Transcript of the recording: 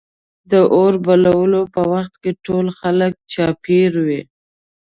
د اور بلولو په وخت کې ټول خلک چاپېره وي.